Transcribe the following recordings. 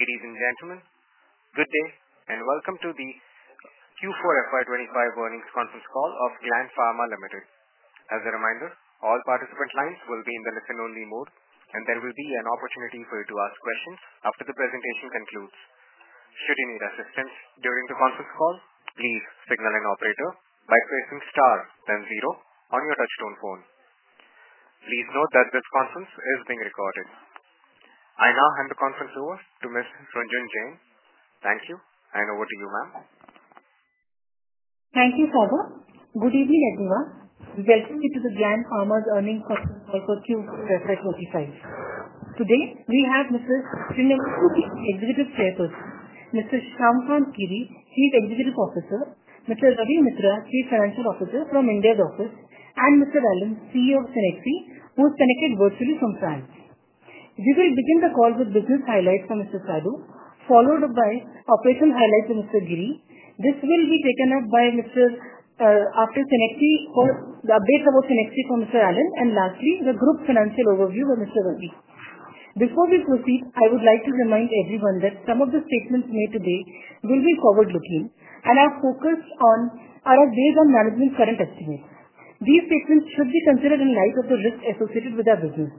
Ladies and gentlemen, good day and welcome to the Q4 FY 2025 earnings conference call of Gland Pharma Limited. As a reminder, all participant lines will be in the listen-only mode, and there will be an opportunity for you to ask questions after the presentation concludes. Should you need assistance during the conference call, please signal an operator by pressing star then zero on your touchtone phone. Please note that this conference is being recorded. I now hand the conference over to Ms. Runjhun Jain. Thank you, and over to you, ma'am. Thank you, sir. Good evening, everyone. Welcome to the Gland Pharma earnings conference call for Q4 FY 2025. Today, we have Mr. Srinivas Sadu, Executive Chairperson; Mr. Shyamakant Giri, Chief Executive Officer; Mr. Ravi Mitra, Chief Financial Officer from India's office; and Mr. Alain, CEO of Cenexi, who is connected virtually from France. We will begin the call with business highlights from Mr. Sadu, followed by operational highlights from Mr. Giri. This will be taken up after Cenexi for the updates about Cenexi from Mr. Alain, and lastly, the group financial overview by Mr. Ravi. Before we proceed, I would like to remind everyone that some of the statements made today will be forward-looking, and are focused on our data management current estimates. These statements should be considered in light of the risk associated with our business.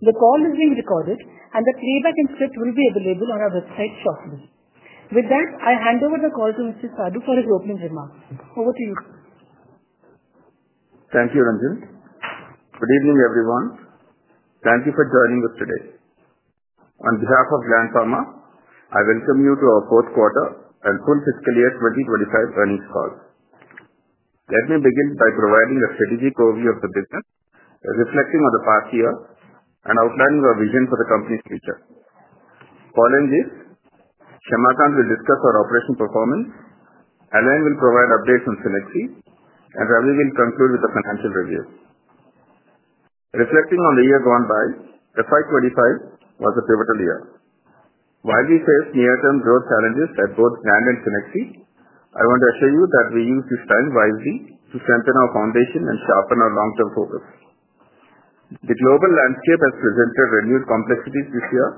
The call is being recorded, and the playback and script will be available on our website shortly. With that, I hand over the call to Mr. Sadu for his opening remarks. Over to you. Thank you, Runjhun. Good evening, everyone. Thank you for joining us today. On behalf of Gland Pharma, I welcome you to our fourth quarter and full fiscal year 2025 earnings call. Let me begin by providing a strategic overview of the business, reflecting on the past year, and outlining our vision for the company's future. Following this, Shyamakant will discuss our operational performance, Alain will provide updates on Cenexi, and Ravi will conclude with a financial review. Reflecting on the year gone by, FY25 was a pivotal year. While we faced near-term growth challenges at both Gland and Cenexi, I want to assure you that we used this time wisely to strengthen our foundation and sharpen our long-term focus. The global landscape has presented renewed complexities this year,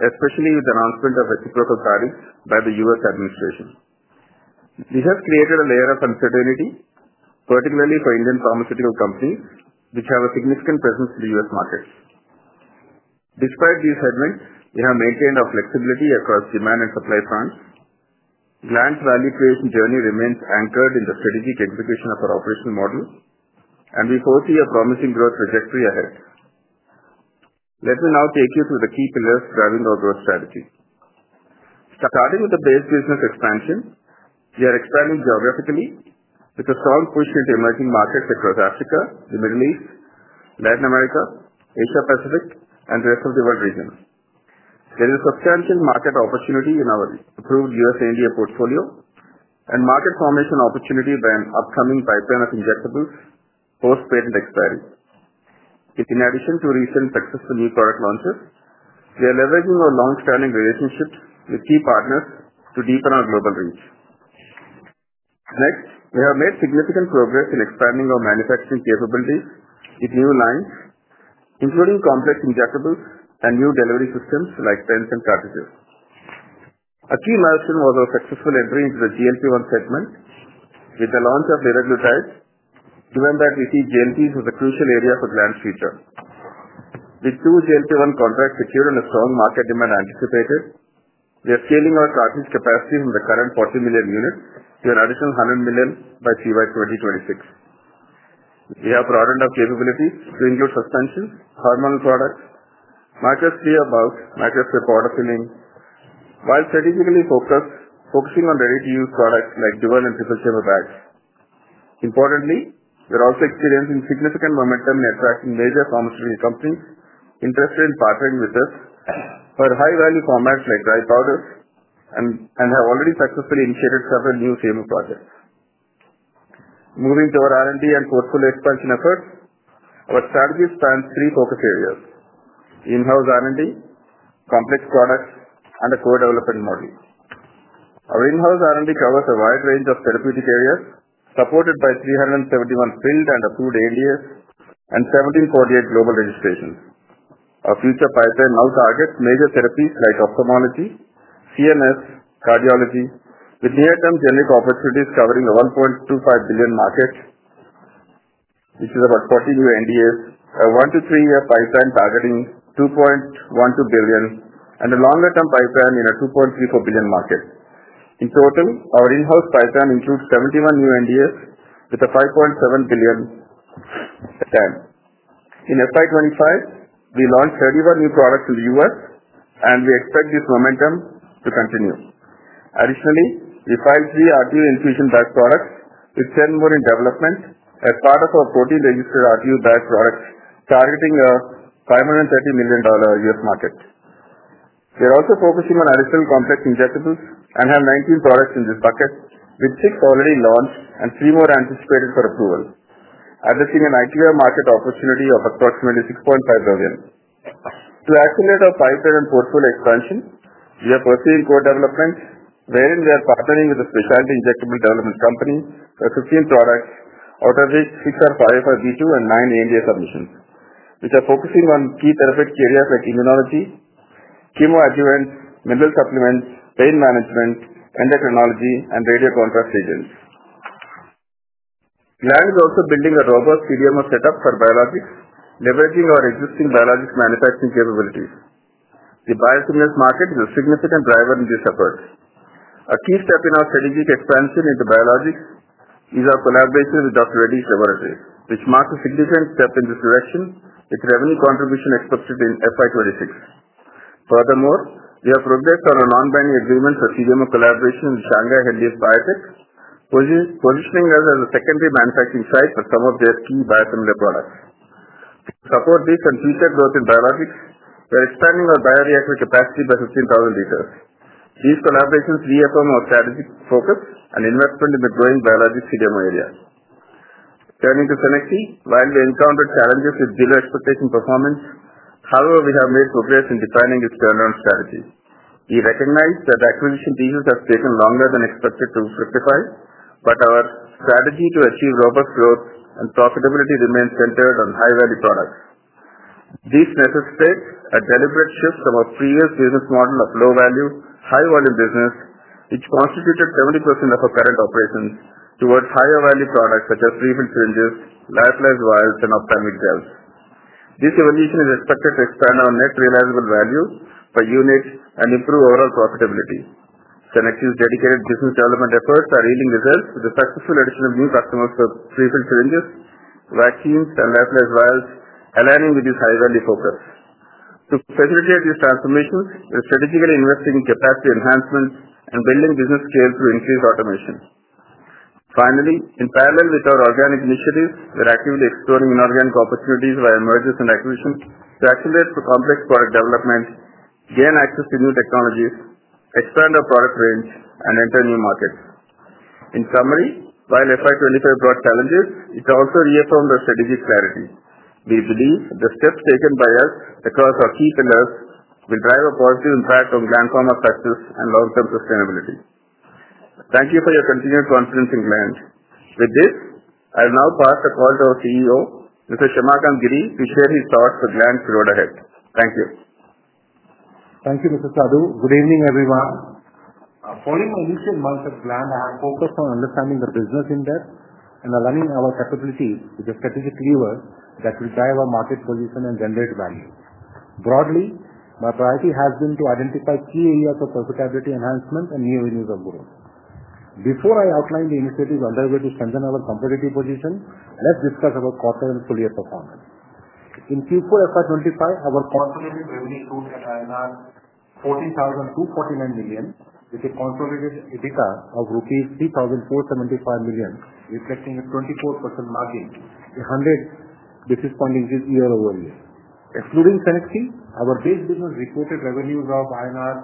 especially with the announcement of reciprocal tariffs by the U.S. administration. This has created a layer of uncertainty, particularly for Indian pharmaceutical companies, which have a significant presence in the U.S. market. Despite these headwinds, we have maintained our flexibility across demand and supply fronts. Gland's value creation journey remains anchored in the strategic execution of our operational model, and we foresee a promising growth trajectory ahead. Let me now take you through the key pillars driving our growth strategy. Starting with the base business expansion, we are expanding geographically with a strong push into emerging markets across Africa, the Middle East, Latin America, Asia Pacific, and the rest of the world region. There is substantial market opportunity in our approved U.S.-India portfolio and market formation opportunity by an upcoming pipeline of injectables post-patent expiry. In addition to recent successful new product launches, we are leveraging our long-standing relationships with key partners to deepen our global reach. Next, we have made significant progress in expanding our manufacturing capabilities with new lines, including complex injectables and new delivery systems like pens and cartridges. A key milestone was our successful entry into the GLP-1 segment with the launch of liraglutide, given that we see GLPs as a crucial area for Gland's future. With two GLP-1 contracts secured and a strong market demand anticipated, we are scaling our cartridge capacity from the current 40 million units to an additional 100 million by CY 2026. We have broadened our capabilities to include suspensions, hormonal products, microscale bulk, microscale powder filling, while strategically focusing on ready-to-use products like dual and triple chamber bags. Importantly, we are also experiencing significant momentum in attracting major pharmaceutical companies interested in partnering with us for high-value formats like dry powders and have already successfully initiated several new CMO projects. Moving to our R&D and portfolio expansion efforts, our strategy spans three focus areas: in-house R&D, complex products, and a co-development model. Our in-house R&D covers a wide range of therapeutic areas, supported by 371 filed and approved ANDAs and 1,748 global registrations. Our future pipeline now targets major therapies like ophthalmology, CNS, and cardiology, with near-term generic opportunities covering a $1.25 billion market, which is about 40 new ANDAs, a one to three-year pipeline targeting $2.12 billion, and a longer-term pipeline in a $2.34 billion market. In total, our in-house pipeline includes 71 new ANDAs with a $5.7 billion TAM. In FY 2025, we launched 31 new products in the US, and we expect this momentum to continue. Additionally, we filed 3 RTU infusion bag products, with 10 more in development as part of our14 registered RTU bag products targeting a $530 million US market. We are also focusing on additional complex injectables and have 19 products in this bucket, with six already launched and three more anticipated for approval, addressing an IQVIA market opportunity of approximately $6.5 billion. To accelerate our pipeline and portfolio expansion, we are pursuing co-development, wherein we are partnering with a specialty injectable development company for 15 products, out of which six are 505(b)(2) and 9 ANDA submissions, which are focusing on key therapeutic areas like immunology, chemo adjuvants, mineral supplements, pain management, endocrinology, and radio contrast agents. Gland is also building a robust CDMO setup for biologics, leveraging our existing biologics manufacturing capabilities. The biosimilar market is a significant driver in this effort. A key step in our strategic expansion into biologics is our collaboration with Dr. Reddy's Laboratories, which marks a significant step in this direction, with revenue contribution expected in FY 2026. Furthermore, we have progressed on a non-binding agreement for CDMO collaboration with Shanghai Henlius Biotech, positioning us as a secondary manufacturing site for some of their key biosimilar products. To support this and future growth in biologics, we are expanding our bioreactor capacity by 15,000 liters. These collaborations reaffirm our strategic focus and investment in the growing biologics CDMO area. Turning to Cenexi, while we encountered challenges with below-expectation performance, we have made progress in defining this turnaround strategy. We recognize that acquisition pieces have taken longer than expected to fructify, but our strategy to achieve robust growth and profitability remains centered on high-value products. This necessitates a deliberate shift from our previous business model of low-value, high-volume business, which constituted 70% of our current operations, towards higher-value products such as refill syringes, lyophilized vials, and ophthalmic gels. This evolution is expected to expand our net realizable value per unit and improve overall profitability. Cenexi's dedicated business development efforts are yielding results with the successful addition of new customers for refill syringes, vaccines, and lyophilized vials, aligning with this high-value focus. To facilitate these transformations, we are strategically investing in capacity enhancement and building business scale through increased automation. Finally, in parallel with our organic initiatives, we are actively exploring inorganic opportunities via mergers and acquisitions to accelerate complex product development, gain access to new technologies, expand our product range, and enter new markets. In summary, while FY 2025 brought challenges, it also reaffirmed our strategic clarity. We believe the steps taken by us across our key pillars will drive a positive impact on Gland Pharma's success and long-term sustainability. Thank you for your continued confidence in Gland. With this, I will now pass the call to our CEO, Mr. Shyamakant Giri, to share his thoughts for Gland's road ahead. Thank you. Thank you, Mr. Sadu. Good evening, everyone. Following my initial months at Gland, I have focused on understanding the business impact and aligning our capabilities with a strategic lever that will drive our market position and generate value. Broadly, my priority has been to identify key areas of profitability enhancement and new venues of growth. Before I outline the initiatives underway to strengthen our competitive position, let's discuss our quarter and full-year performance. In Q4 FY 2025, our consolidated revenue showed at INR 14,249 million, with a consolidated EBITDA of rupees 3,475 million, reflecting a 24% margin, a 100 basis point increase year-over-year. Excluding Cenexi, our base business reported revenues of INR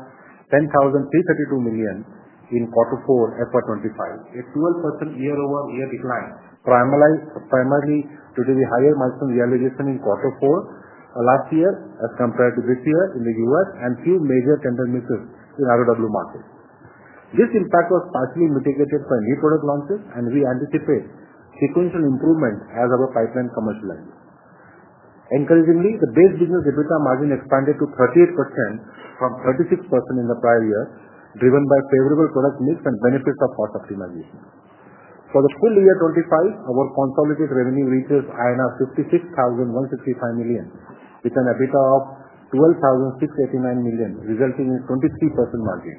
10,332 million in Q4 FY 2025, a 12% year-over-year decline primarily due to the higher margin realization in quarter 4 last year as compared to this year in the U.S. and few major tender misses in ROW market. This impact was partially mitigated by new product launches, and we anticipate sequential improvements as our pipeline commercializes. Encouragingly, the base business EBITDA margin expanded to 38% from 36% in the prior year, driven by favorable product mix and benefits of cost optimization. For the full year 2025, our consolidated revenue reaches 56,165 million, with an EBITDA of 12,689 million, resulting in a 23% margin.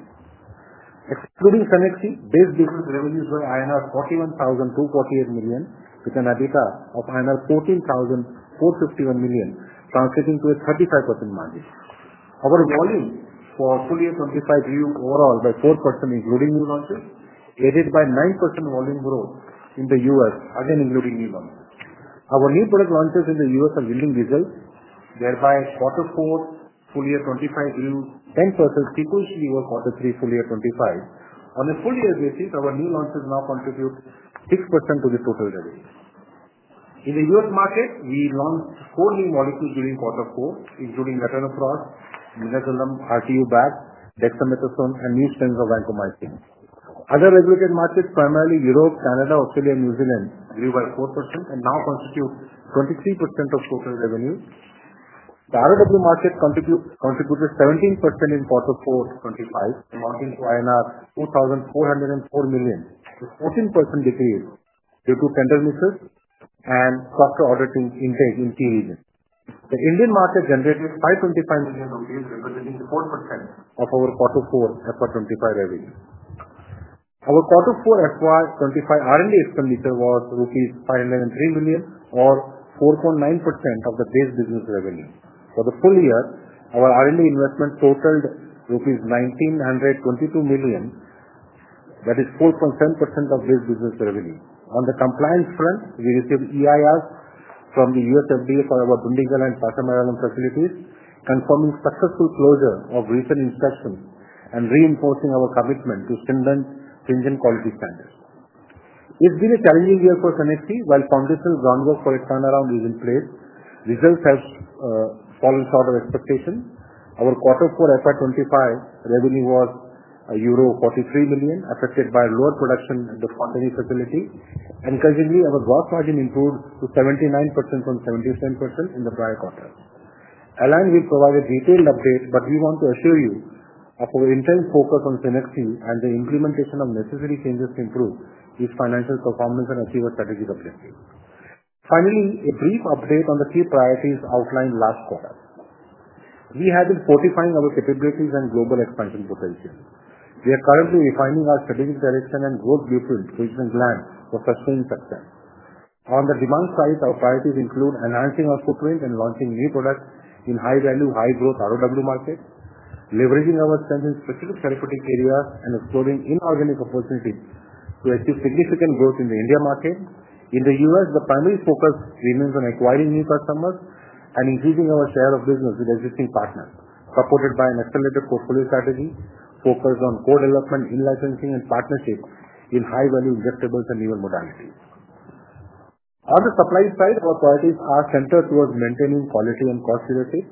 Excluding Cenexi, base business revenues were INR 41,248 million, with an EBITDA of INR 14,451 million, translating to a 35% margin. Our volume for full year 2025 grew overall by 4%, including new launches, aided by 9% volume growth in the U.S., again including new launches. Our new product launches in the U.S. are yielding results, thereby quarter 4 full year 2025 grew 10% sequentially over quarter 3 full year 2025. On a full-year basis, our new launches now contribute 6% to the total revenue. In the U.S. market, we launched four new molecules during quarter 4, including Latanoprost, Midazolam, RTU bags, Dexamethasone, and New Strengths of Vancomycin. Other regulated markets, primarily Europe, Canada, Australia, and New Zealand, grew by 4% and now constitute 23% of total revenue. The ROW market contributed 17% in quarter 4 2025, amounting to INR 2,404 million, a 14% decrease due to tender misses and softer auditing intake in key regions. The Indian market generated INR 525 million, representing 4% of our quarter 4 FY 2025 revenue. Our quarter 4 FY 2025 R&D expenditure was INR 503 million, or 4.9% of the base business revenue. For the full year, our R&D investment totaled rupees 1,922 million, that is 4.7% of base business revenue. On the compliance front, we received EIRs from the USFDA for our Dundigal and Pashamylaram facilities, confirming successful closure of recent inspections and reinforcing our commitment to stringent quality standards. It's been a challenging year for Cenexi. While foundational groundwork for its turnaround is in place, results have fallen short of expectations. Our quarter 4 FY 2025 revenue was euro 43 million, affected by lower production at the quarterly facility. Encouragingly, our gross margin improved to 79% from 77% in the prior quarter. Alain will provide a detailed update, but we want to assure you of our intense focus on Cenexi and the implementation of necessary changes to improve its financial performance and achieve our strategic objectives. Finally, a brief update on the key priorities outlined last quarter. We have been fortifying our capabilities and global expansion potential. We are currently refining our strategic direction and growth blueprint to ensure Gland will sustain success. On the demand side, our priorities include enhancing our footprint and launching new products in high-value, high-growth ROW markets, leveraging our strength in specific therapeutic areas, and exploring inorganic opportunities to achieve significant growth in the India market. In the U.S., the primary focus remains on acquiring new customers and increasing our share of business with existing partners, supported by an accelerated portfolio strategy focused on co-development, in-licensing, and partnership in high-value injectables and needle modalities. On the supply side, our priorities are centered towards maintaining quality and cost-relative.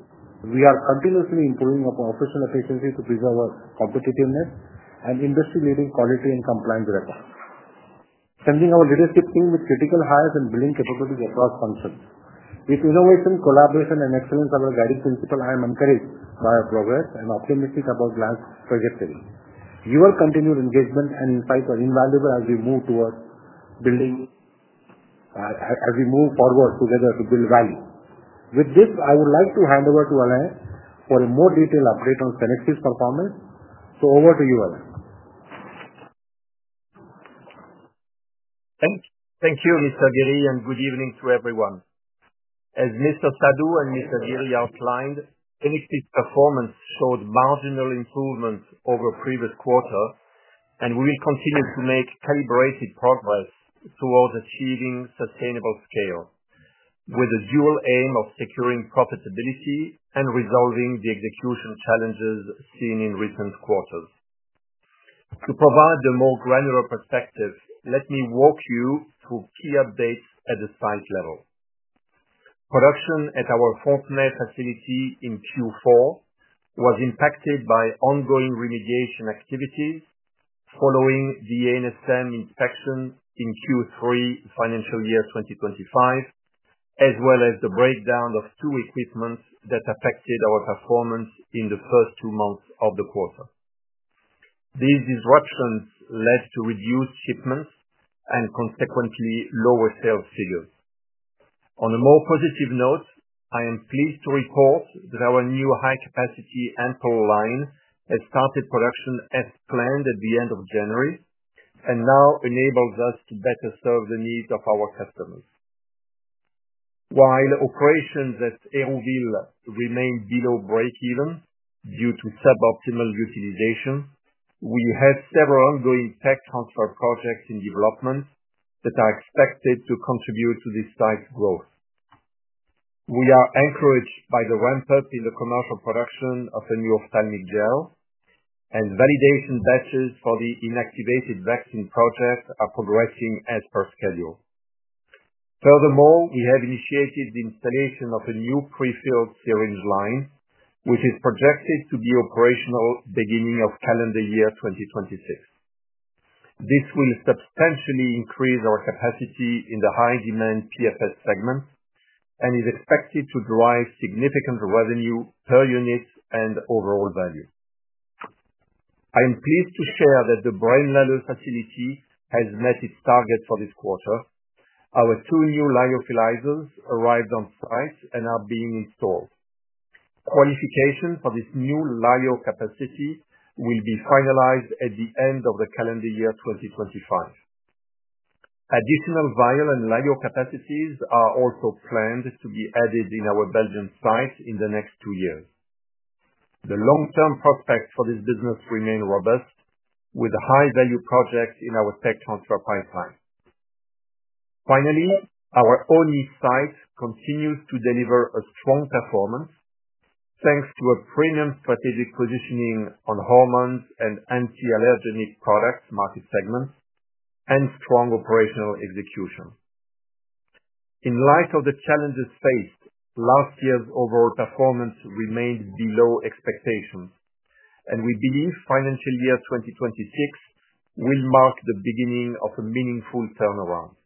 We are continuously improving our operational efficiency to preserve our competitiveness and industry-leading quality and compliance records, sending our leadership team with critical hires and building capabilities across functions. With innovation, collaboration, and excellence as our guiding principle, I am encouraged by our progress and optimistic about Gland's trajectory. Your continued engagement and insights are invaluable as we move forward together to build value. With this, I would like to hand over to Alain for a more detailed update on Cenexi's performance. Over to you, Alain. Thank you, Mr. Giri, and good evening to everyone. As Mr. Sadu and Mr. Giri outlined, Cenexi's performance showed marginal improvements over the previous quarter, and we will continue to make calibrated progress towards achieving sustainable scale, with the dual aim of securing profitability and resolving the execution challenges seen in recent quarters. To provide a more granular perspective, let me walk you through key updates at the site level. Production at our Fontenay facility in Q4 was impacted by ongoing remediation activities following the ANSM inspection in Q3 Financial Year 2025, as well as the breakdown of two equipments that affected our performance in the first two months of the quarter. These disruptions led to reduced shipments and, consequently, lower sales figures. On a more positive note, I am pleased to report that our new high-capacity ampoule line has started production as planned at the end of January and now enables us to better serve the needs of our customers. While operations at Herouville remain below breakeven due to suboptimal utilization, we have several ongoing tech transfer projects in development that are expected to contribute to this site's growth. We are encouraged by the ramp-up in the commercial production of a new ophthalmic gel, and validation batches for the inactivated vaccine project are progressing as per schedule. Furthermore, we have initiated the installation of a new pre-filled syringe line, which is projected to be operational at the beginning of calendar year 2026. This will substantially increase our capacity in the high-demand PFS segment and is expected to drive significant revenue per unit and overall value. I am pleased to share that the Braine-l' Alleud facility has met its target for this quarter. Our two new lyophilizers arrived on site and are being installed. Qualification for this new Lyo capacity will be finalized at the end of the calendar year 2025. Additional vial and Lyo capacities are also planned to be added in our Belgian site in the next two years. The long-term prospects for this business remain robust, with high-value projects in our tech transfer pipeline. Finally, our Osny site continues to deliver a strong performance, thanks to a premium strategic positioning on hormones and anti-allergenic products' market segments and strong operational execution. In light of the challenges faced, last year's overall performance remained below expectations, and we believe financial year 2026 will mark the beginning of a meaningful turnaround.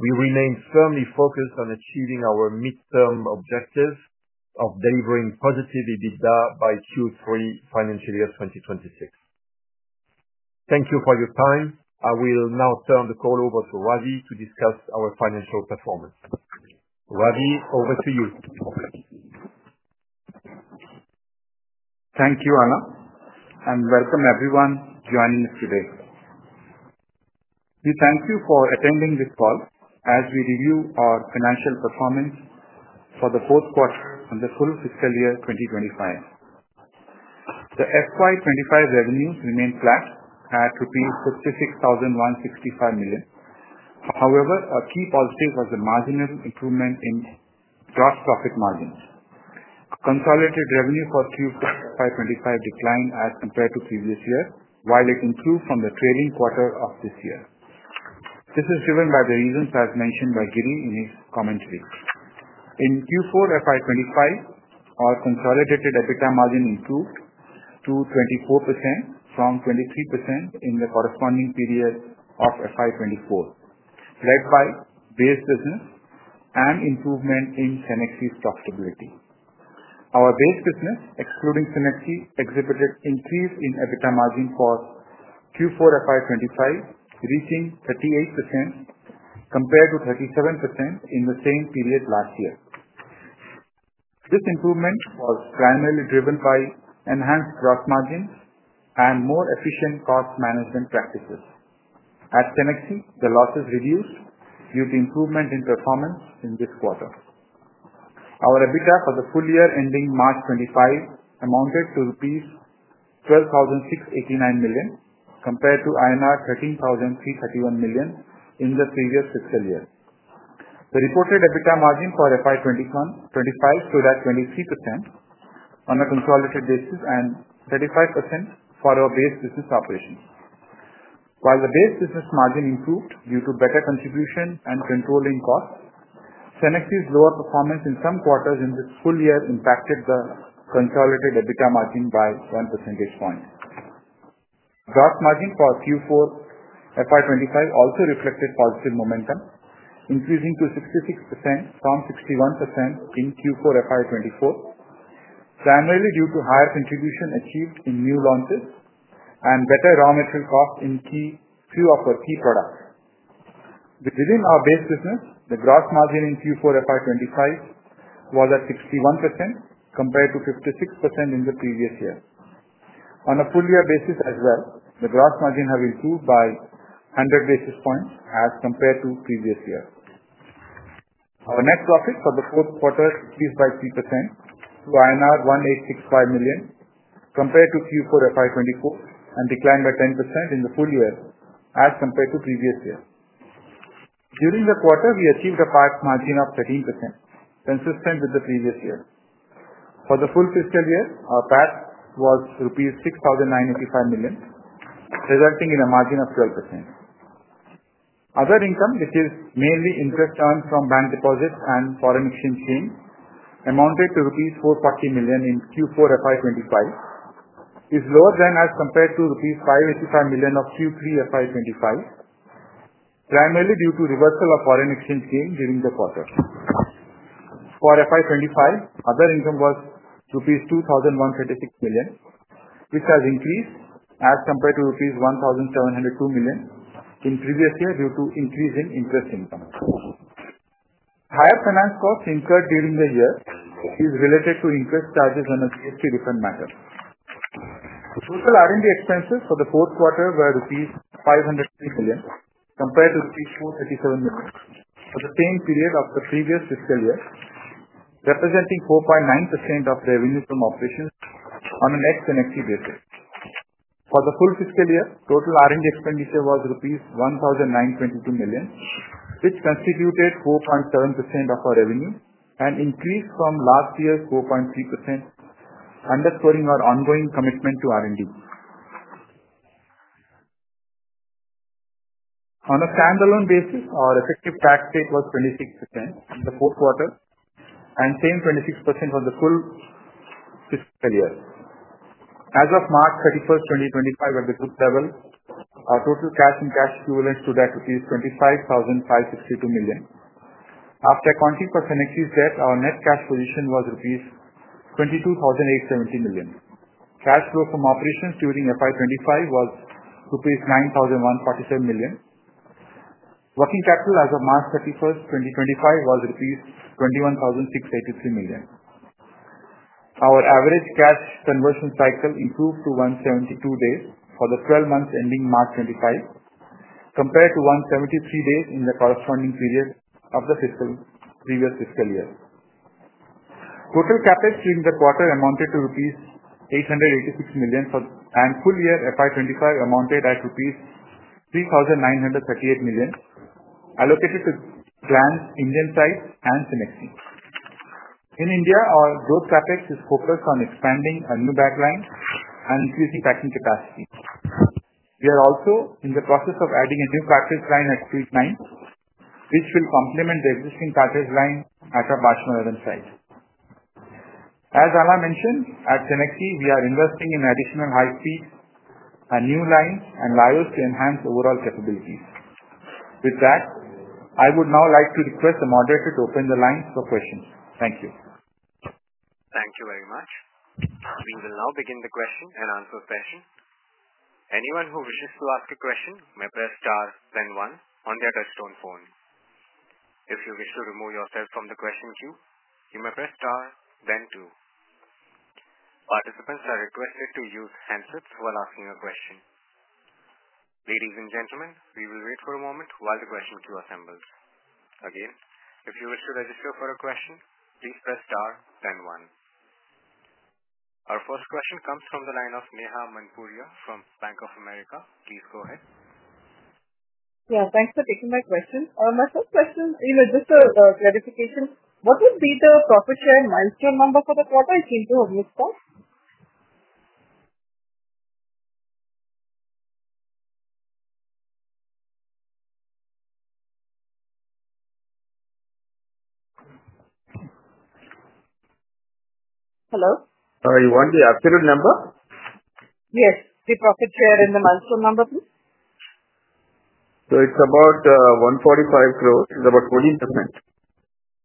We remain firmly focused on achieving our midterm objective of delivering positive EBITDA by Q3 financial year 2026. Thank you for your time. I will now turn the call over to Ravi to discuss our financial performance. Ravi, over to you. Thank you, Alain, and welcome everyone joining us today. We thank you for attending this call as we review our financial performance for the fourth quarter and the full fiscal year 2025. The FY 2025 revenues remained flat at rupees 56,165 million. However, a key positive was the marginal improvement in gross profit margins. Consolidated revenue for Q4 FY 2025 declined as compared to previous years, while it improved from the trailing quarter of this year. This is driven by the reasons as mentioned by Giri in his commentary. In Q4 FY 2025, our consolidated EBITDA margin improved to 24% from 23% in the corresponding period of FY 2024, led by base business and improvement in Cenexi's profitability. Our base business, excluding Cenexi, exhibited increase in EBITDA margin for Q4 FY 2025, reaching 38% compared to 37% in the same period last year. This improvement was primarily driven by enhanced gross margins and more efficient cost management practices. At Cenexi, the losses reduced due to improvement in performance in this quarter. Our EBITDA for the full year ending March 2025 amounted to rupees 12,689 million, compared to INR 13,331 million in the previous fiscal year. The reported EBITDA margin for FY 2025 stood at 23% on a consolidated basis and 35% for our base business operations. While the base business margin improved due to better contribution and controlling costs, Cenexi's lower performance in some quarters in this full year impacted the consolidated EBITDA margin by 1 percentage point. Gross margin for Q4 FY 2025 also reflected positive momentum, increasing to 66% from 61% in Q4 FY2024, primarily due to higher contribution achieved in new launches and better raw material costs in a few of our key products. Within our base business, the gross margin in Q4 FY 2025 was at 61% compared to 56% in the previous year. On a full-year basis as well, the gross margin has improved by 100 basis points as compared to previous year. Our net profit for the fourth quarter increased by 3% to INR 1,865 million compared to Q4 FY 2024 and declined by 10% in the full year as compared to previous year. During the quarter, we achieved a PAT margin of 13%, consistent with the previous year. For the full fiscal year, our PAT was rupees 6,985 million, resulting in a margin of 12%. Other income, which is mainly interest earned from bank deposits and foreign exchange gains, amounted to rupees 440 million in Q4 FY 2025, is lower than as compared to rupees 585 million of Q3 FY 2025, primarily due to reversal of foreign exchange gain during the quarter. For FY 2025, other income was rupees 2,136 million, which has increased as compared to rupees 1,702 million in previous year due to increase in interest income. Higher finance costs incurred during the year are related to interest charges and a GST-refund matter. Total R&D expenses for the fourth quarter were rupees 503 million compared to rupees 437 million for the same period of the previous fiscal year, representing 4.9% of revenue from operations on an ex-Cenexi basis. For the full fiscal year, total R&D expenditure was rupees 1,922 million, which constituted 4.7% of our revenue and increased from last year's 4.3%, underscoring our ongoing commitment to R&D. On a stand-alone basis, our effective tax rate was 26% in the fourth quarter, and same 26% for the full fiscal year. As of March 31, 2025, at the group level, our total cash and cash equivalents stood at 25,562 million. After accounting for Cenexi's debt, our net cash position was rupees 22,870 million. Cash flow from operations during FY 2025 was rupees 9,147 million. Working capital as of March 31, 2025, was rupees 21,683 million. Our average cash conversion cycle improved to 172 days for the 12 months ending March 2025, compared to 173 days in the corresponding period of the previous fiscal year. Total capex during the quarter amounted to rupees 886 million, and full year FY 2025 amounted at rupees 3,938 million, allocated to Gland's Indian sites and Cenexi. In India, our growth capex is focused on expanding a new bag line and increasing packing capacity. We are also in the process of adding a new cartridge line at Suite 9, which will complement the existing cartridge line at our Pashamylaram site. As Alain mentioned, at Cenexi, we are investing in additional high-speed new lines and Lalos to enhance overall capabilities. With that, I would now like to request the moderator to open the line for questions. Thank you. Thank you very much. We will now begin the question and answer session. Anyone who wishes to ask a question may press star then one on their touchtone phone. If you wish to remove yourself from the question queue, you may press star then two. Participants are requested to use handsets while asking a question. Ladies and gentlemen, we will wait for a moment while the question queue assembles. Again, if you wish to register for a question, please press star then one. Our first question comes from the line of Neha Manpuria from Bank of America. Please go ahead. Yeah, thanks for taking my question. My first question, just a clarification. What would be the profit share milestone number for the quarter? I seem to have missed that. Hello? You want the absolute number? Yes. The profit share and the milestone number, please. It's about 145 crores. It's about 14%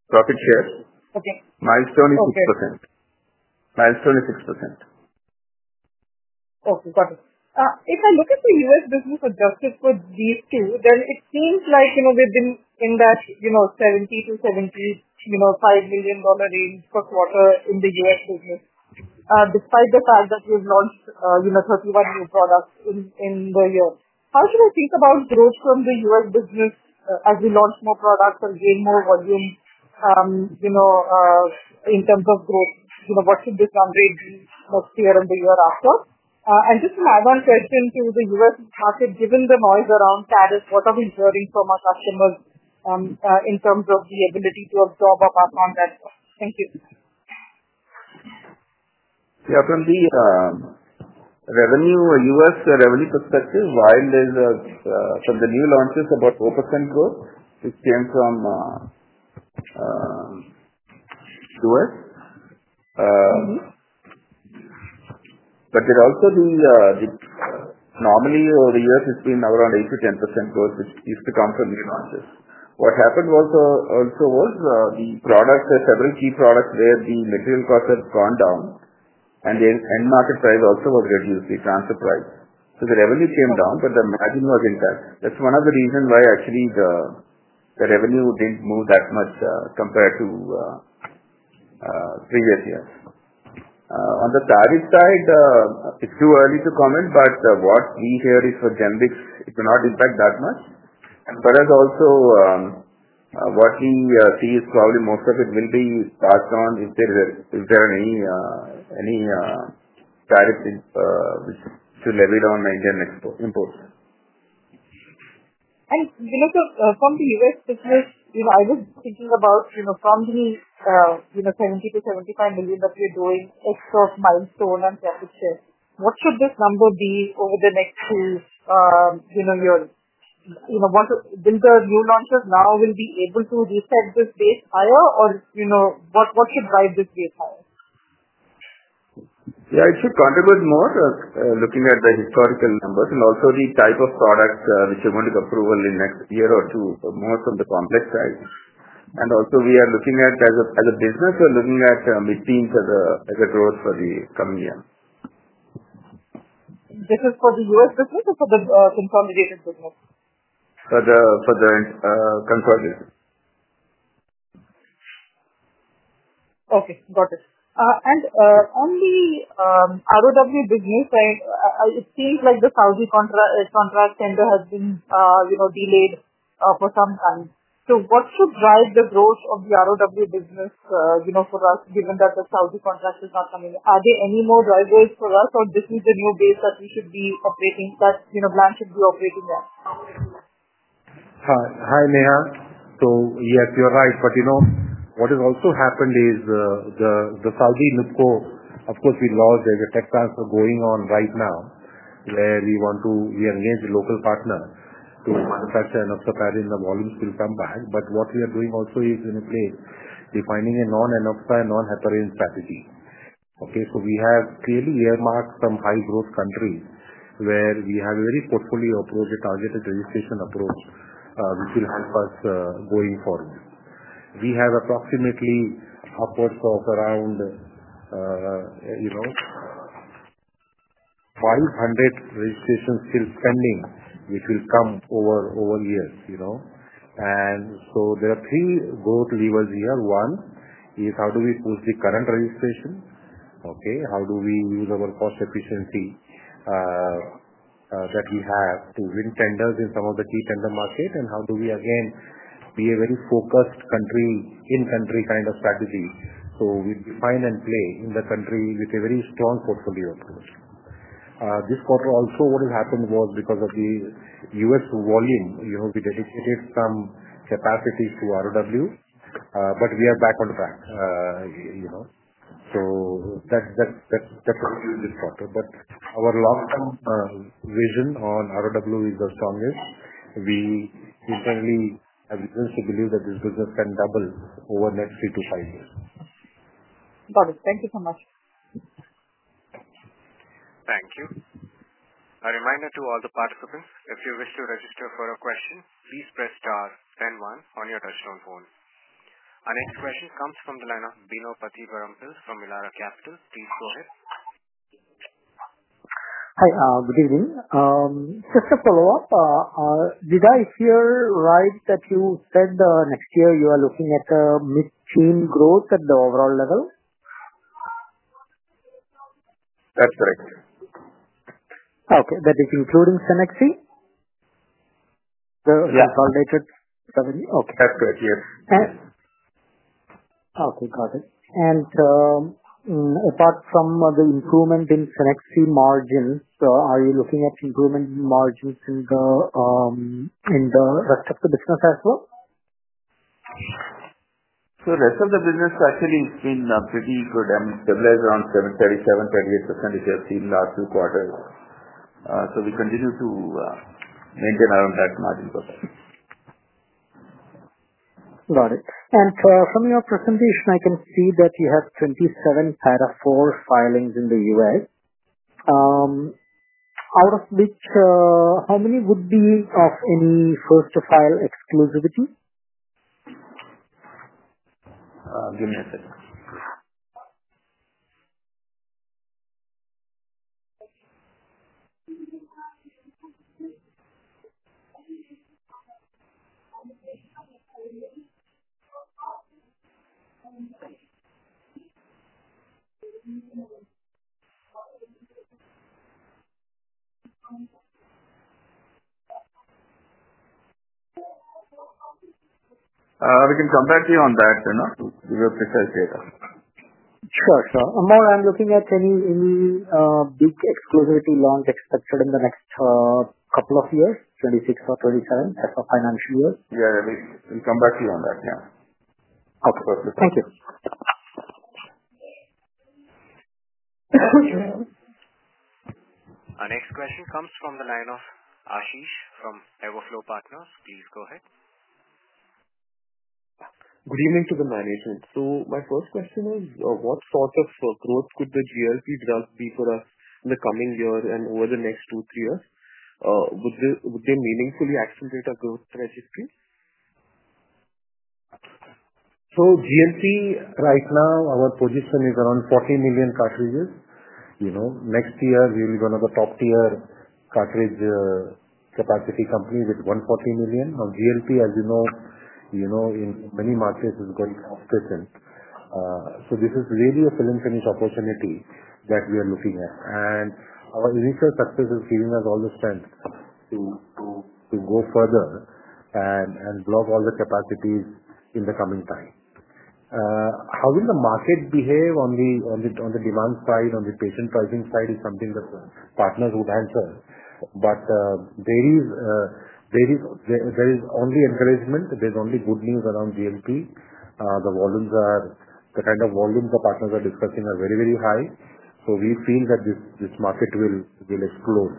profit share. Milestone is 6%. Okay. Got it. If I look at the U.S. business adjusted for these two, then it seems like we've been in that $70 million to $75 million range per quarter in the U.S. business, despite the fact that we've launched 31 new products in the year. How should I think about growth from the U.S. business as we launch more products and gain more volume in terms of growth? What should this number be next year and the year after? Just an add-on question to the U.S. market, given the noise around tariffs, what are we hearing from our customers in terms of the ability to absorb or cost on that? Thank you. Yeah. From the U.S. revenue perspective, while there's from the new launches, about 4% growth, which came from U.S. There are also the normally over the years, it's been around 8-10% growth, which used to come from new launches. What happened also was the products, several key products where the material costs have gone down, and the end market price also was reduced, the transfer price. The revenue came down, but the margin was intact. That's one of the reasons why actually the revenue didn't move that much compared to previous years. On the tariff side, it's too early to comment, but what we hear is for generics, it will not impact that much. As well as also, what we see is probably most of it will be passed on if there are any tariffs to levied on Indian ports. From the US business, I was thinking about from the $70-$75 million that we're doing as of milestone and profit share. What should this number be over the next few years? Will the new launches now be able to reset this base higher, or what should drive this base higher? Yeah, it should contribute more, looking at the historical numbers and also the type of products which are going to get approval in the next year or two, more from the complex side. Also, we are looking at as a business, we're looking at mid-teens as a growth for the coming year. This is for the US business or for the consolidated business? For the consolidated. Okay. Got it. On the ROW business, it seems like the Saudi contract tender has been delayed for some time. What should drive the growth of the ROW business for us, given that the Saudi contract is not coming? Are there any more drivers for us, or is this the new base that we should be operating, that Gland should be operating at? Hi, Neha. Yes, you're right. What has also happened is the Saudi NUPCO, of course, we lost the tech transfer going on right now, where we want to re-engage the local partner to manufacture enough of the padding; the volumes will come back. What we are doing also is in place defining a non-Enoxa and non-heparin strategy. We have clearly earmarked some high-growth countries where we have a very portfolio approach, a targeted registration approach, which will help us going forward. We have approximately upwards of around 500 registrations still pending, which will come over years. There are three growth levers here. One is how do we push the current registration? How do we use our cost efficiency that we have to win tenders in some of the key tender markets? And how do we, again, be a very focused country, in-country kind of strategy? We define and play in the country with a very strong portfolio approach. This quarter, also, what has happened was because of the U.S. volume, we dedicated some capacities to ROW, but we are back on track. That is how we use this quarter. Our long-term vision on ROW is the strongest. We internally have reason to believe that this business can double over the next three to five years. Got it. Thank you so much. Thank you. A reminder to all the participants, if you wish to register for a question, please press star then one on your touchstone phone. Our next question comes from the line of Bino Pathiparampil from Elara Capital. Please go ahead. Hi. Good evening. Just a follow-up. Did I hear right that you said next year you are looking at mid-teens growth at the overall level? That's correct. Okay. That is including Cenexi? Yeah. The consolidated revenue? Okay. That's correct. Yes. Okay. Got it. Apart from the improvement in Cenexi margins, are you looking at improvement in margins in the rest of the business as well? The rest of the business actually has been pretty good. I mean, it stabilized around 37%-38%, which we have seen last two quarters. We continue to maintain around that margin for us. Got it. From your presentation, I can see that you have 27 Para 4 filings in the U.S. Out of which, how many would be of any first-to-file exclusivity? Give me a second. We can come back to you on that, you know, to give you precise data. Sure, sir. And more, I'm looking at any big exclusivity launch expected in the next couple of years, 2026 or 2027, as a financial year? Yeah. We'll come back to you on that. Yeah. Okay. Perfect. Thank you. Our next question comes from the line of Ashish from Everflow Partners. Please go ahead. Good evening to the management. My first question is, what sort of growth could the GLP drug be for us in the coming year and over the next two, three years? Would they meaningfully accelerate our growth trajectory? So GLP right now, our position is around 40 million cartridges. Next year, we will be one of the top-tier cartridge capacity companies with 140 million. Now, GLP, as you know, in many markets, is going off-patent. This is really a fill-and-finish opportunity that we are looking at. Our initial success is giving us all the strength to go further and block all the capacities in the coming time. How the market will behave on the demand side, on the patient pricing side, is something that partners would answer. There is only encouragement. There is only good news around GLP. The volumes are the kind of volumes the partners are discussing are very, very high. We feel that this market will explode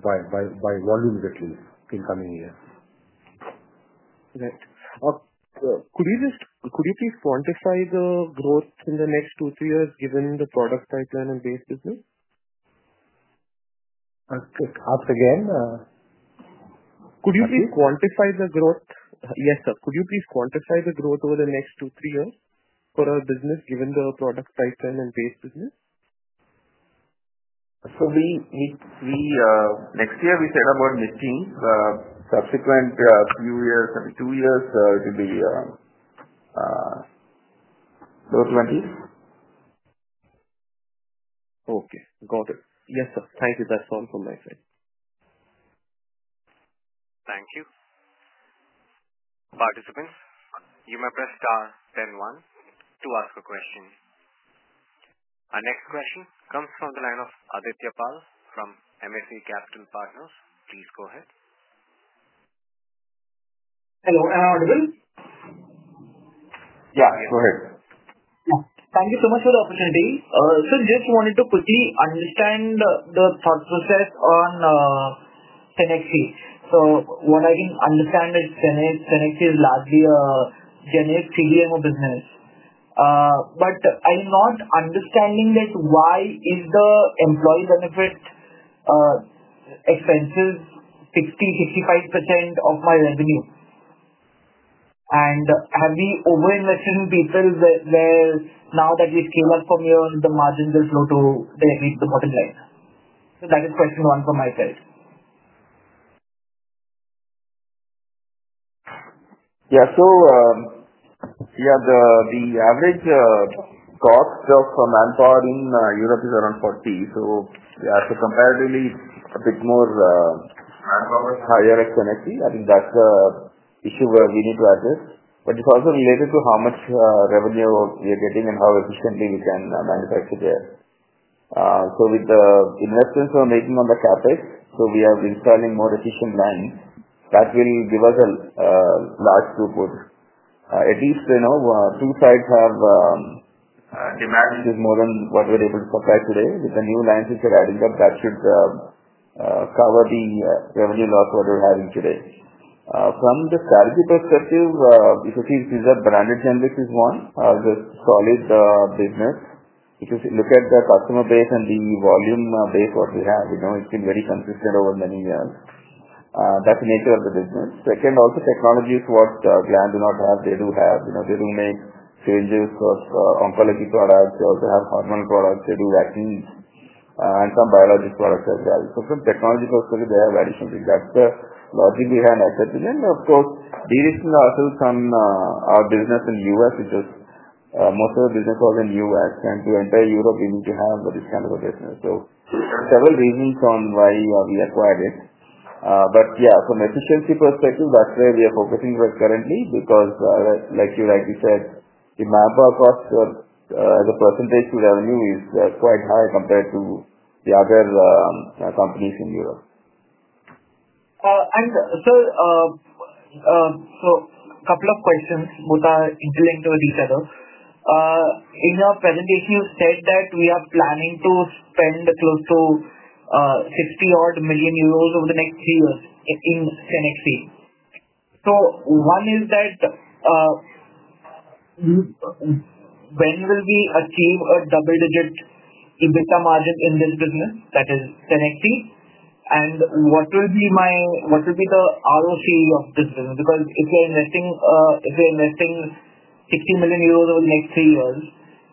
by volumes, at least, in coming years. Right. Could you please quantify the growth in the next two, three years, given the product pipeline and base business? Ask again. Could you please quantify the growth? Yes, sir. Could you please quantify the growth over the next two, three years for our business, given the product pipeline and base business? Next year, we set about mid-teens. Subsequent few years, maybe two years, it will be low 20. Okay. Got it. Yes, sir. Thank you. That's all from my side. Thank you. Participants, you may press star then one to ask a question. Our next question comes from the line of Adityapal from MSA Capital Partners. Please go ahead. Hello. Am I audible? Yeah. Go ahead. Thank you so much for the opportunity. Just wanted to quickly understand the thought process on Cenexi. What I can understand is Cenexi is largely a Generic CDMO business. I am not understanding why the employee benefit expenses are 60-65% of my revenue. Have we over-invested in people where now that we scale up from here, the margins will flow directly to the bottom line? That is question one from my side. Yeah. So yeah, the average cost of manpower in Europe is around 40. So comparatively, a bit more higher at Cenexi. I think that's the issue where we need to address. It's also related to how much revenue we are getting and how efficiently we can manufacture there. With the investments we're making on the CapEx, we are installing more efficient lines. That will give us a large throughput. At least two sites have demand which is more than what we're able to supply today. With the new lines which are adding up, that should cover the revenue loss we're having today. From the strategy perspective, if you see, these are branded generics is one, the solid business. If you look at the customer base and the volume base what we have, it's been very consistent over many years. That's the nature of the business. Second, also technology is what Gland do not have. They do have. They do make changes for oncology products. They also have hormonal products. They do vaccines and some biologic products as well. From technology perspective, they have additional things. That's the logic we have at that time. Of course, there is also some business in the U.S., which is most of the business was in the U.S. To enter Europe, we need to have this kind of a business. There are several reasons on why we acquired it. Yeah, from efficiency perspective, that's where we are focusing right currently because, like you rightly said, the manpower cost as a percentage to revenue is quite high compared to the other companies in Europe. A couple of questions which are interlinked with each other. In your presentation, you said that we are planning to spend close to 60 million euros over the next three years in Cenexi. One is that when will we achieve a double-digit EBITDA margin in this business, that is Cenexi? What will be the ROCE of this business? Because if we are investing 60 million euros over the next three years,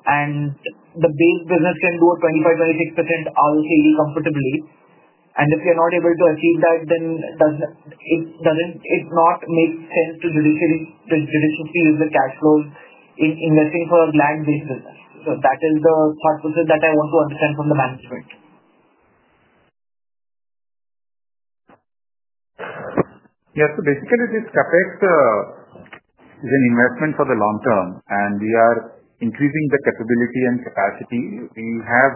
and the base business can do a 25-26% ROCE comfortably, and if we are not able to achieve that, then it does not make sense to judiciously use the cash flows in investing for a Gland-based business. That is the thought process that I want to understand from the management. Yeah. So basically, this CapEx is an investment for the long term, and we are increasing the capability and capacity. We have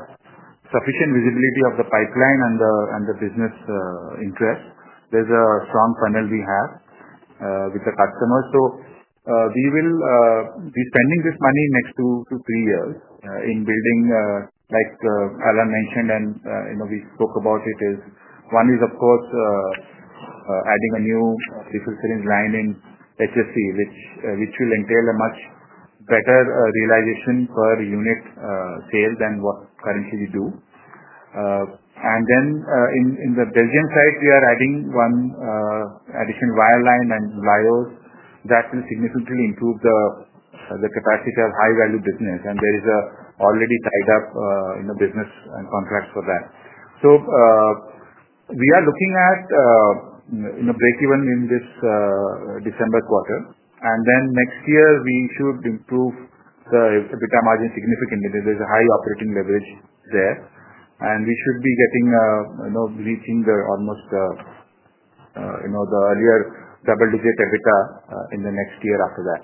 sufficient visibility of the pipeline and the business interest. There is a strong funnel we have with the customers. We will be spending this money next two to three years in building, like Alain mentioned, and we spoke about it, is one is, of course, adding a new pre-filled syringe line in HSC, which will entail a much better realization per unit sale than what currently we do. In the Belgium side, we are adding one additional wire line and Lyos that will significantly improve the capacity of high-value business. There is already tied up in the business and contracts for that. We are looking at a break-even in this December quarter. Next year, we should improve the EBITDA margin significantly. There's a high operating leverage there. We should be getting reaching almost the earlier double-digit EBITDA in the next year after that.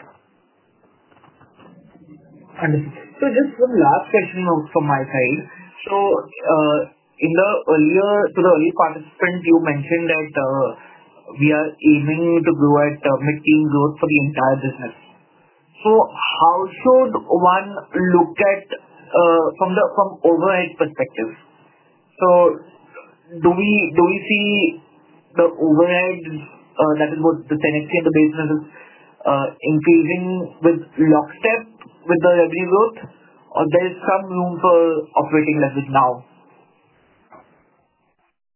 Understood. Just one last question from my side. To the early participant, you mentioned that we are aiming to grow at mid-teen growth for the entire business. How should one look at it from an overhead perspective? Do we see the overhead, that is what the Cenexi and the base business is, increasing in lockstep with the revenue growth, or is there some room for operating leverage now?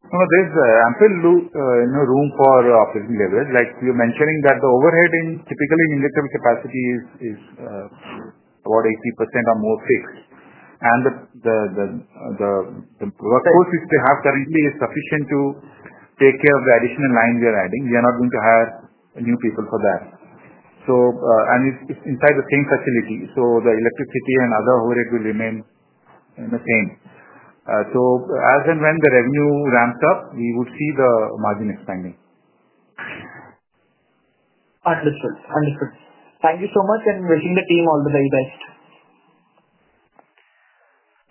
There's ample room for operating leverage. Like you're mentioning, the overhead in typically injectable capacity is about 80% or more fixed. The workforce which we have currently is sufficient to take care of the additional line we are adding. We are not going to hire new people for that. It is inside the same facility. The electricity and other overhead will remain the same. As and when the revenue ramps up, we would see the margin expanding. Understood. Understood. Thank you so much, and wishing the team all the very best.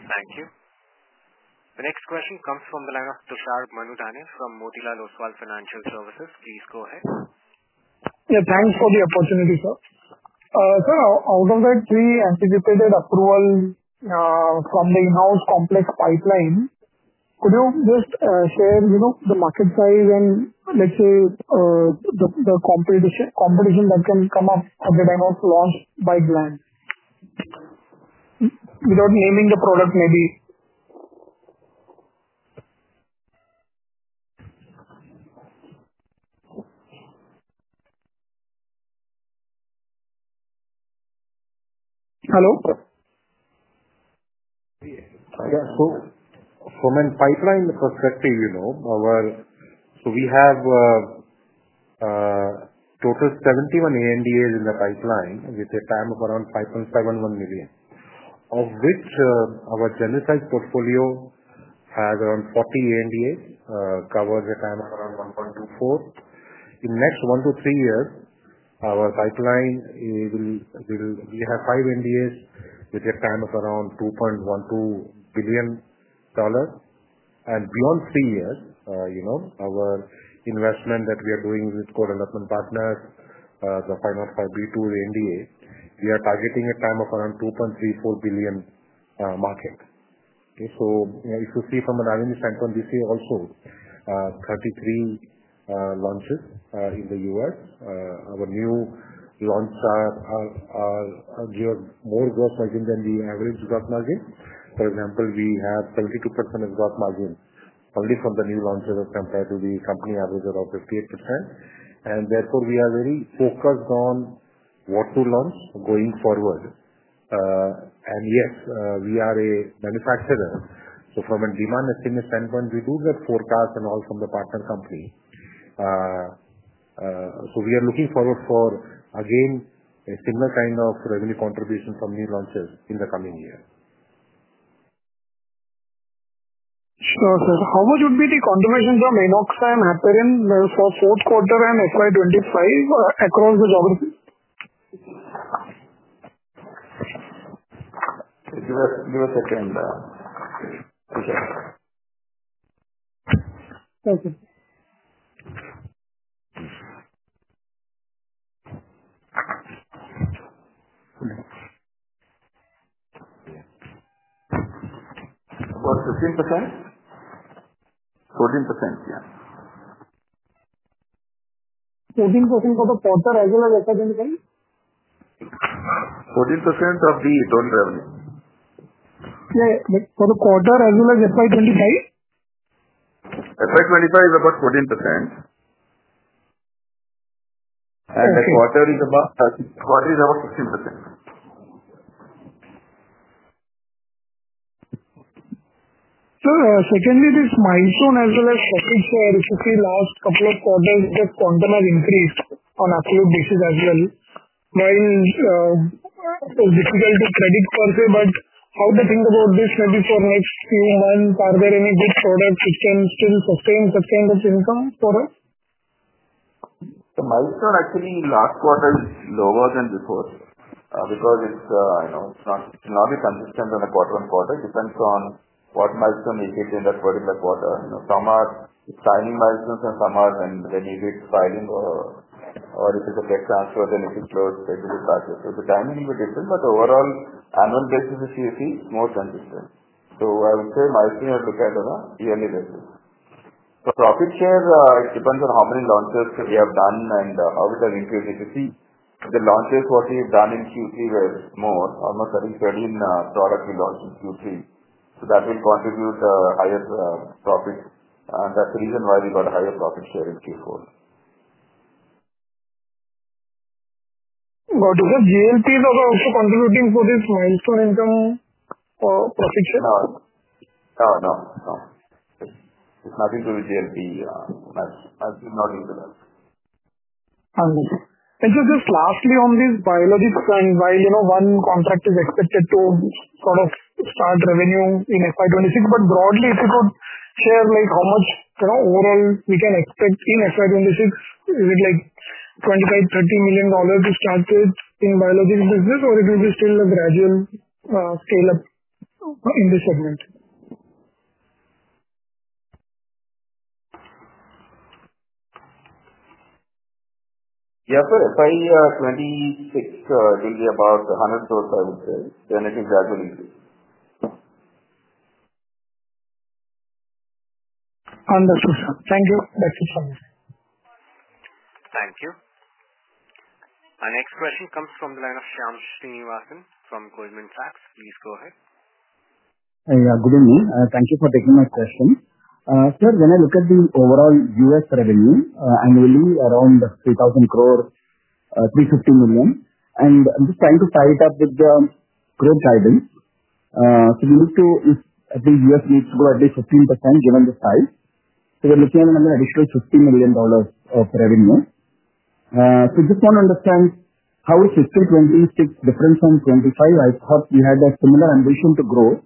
Thank you. The next question comes from the line of Tushar Manudhane from Motilal Oswal Financial Services. Please go ahead. Yeah. Thanks for the opportunity, sir. Out of that pre-anticipated approval from the in-house complex pipeline, could you just share the market size and, let's say, the competition that can come up at the time of launch by Gland without naming the product maybe? Hello? Yeah. From a pipeline perspective, we have a total of 71 ANDAs in the pipeline with a TAM of around $5.71 billion, of which our GenSy portfolio has around 40 ANDAs, covers a TAM of around $1.24 billion. In the next one to three years, our pipeline, we have five ANDAs with a TAM of around $2.12 billion. Beyond three years, our investment that we are doing with co-development partners, the 505(b)(2), ANDA, we are targeting a TAM of around $2.34 billion market. If you see from an R&D standpoint, we see also 33 launches in the U.S. Our new launches are more gross margin than the average gross margin. For example, we have 72% gross margin only from the new launches as compared to the company average of 58%. Therefore, we are very focused on what to launch going forward. Yes, we are a manufacturer. From a demand estimate standpoint, we do get forecasts and all from the partner company. We are looking forward for, again, a similar kind of revenue contribution from new launches in the coming year. Sure. How much would be the contribution from Enoxa and Heparin for fourth quarter and FY 2025 across the geography? Thank you. About 15%? 14%, yeah. 14% for the quarter as well as FY 2025? 14% of the total revenue. Yeah. For the quarter as well as FY 2025? FY 2025 is about 14%. The quarter is about 16%. Secondly, this milestone as well as share if you see last couple of quarters, the quantum has increased on absolute basis as well. While it's difficult to predict per se, but how to think about this maybe for next few months, are there any good products which can still sustain such kind of income for us? The milestone actually last quarter is lower than before because it's not consistent on a quarter-on-quarter. It depends on what milestone we hit in that particular quarter. Some are timing milestones and some are when we hit filing or if it's a debt transfer, then it is closed executive process. The timing will be different, but overall, annual basis if you see, it's more consistent. I would say milestones are looked at on a yearly basis. For profit share, it depends on how many launches we have done and how it has increased. If you see the launches what we have done in Q3 were more, almost I think 13 products we launched in Q3. That will contribute to higher profit. That's the reason why we got a higher profit share in Q4. What is the GLP that is also contributing to this milestone income or profit share? No. No. No. It's nothing to do with GLP. It's not usual. Understood. Just lastly on this biologics, while one contract is expected to sort of start revenue in FY 2026, broadly, if you could share how much overall we can expect in FY 2026, is it like $25 million-$30 million to start with in biologic business, or will it be still a gradual scale-up in this segment? Yeah. For FY 2026, it will be about INR 100 crores, I would say. I think that will increase. Understood, sir. Thank you. That's it for me. Thank you. My next question comes from the line of Shyam Srinivasan from Goldman Sachs. Please go ahead. Yeah. Good evening. Thank you for taking my question. Sir, when I look at the overall US revenue, annually around 3,000 crore, $350 million. And I'm just trying to tie it up with the growth guidance. We need to, at least US needs to grow at least 15% given the size. We're looking at an additional $50 million of revenue. I just want to understand how is 2026 different from 2025? I thought we had a similar ambition to grow.